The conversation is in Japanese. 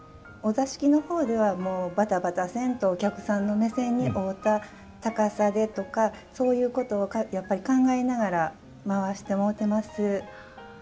お座敷の方ではバタバタせんとお客様の目線に合うた高さでとかそういうことをやっぱり考えながら舞わしてもろてます。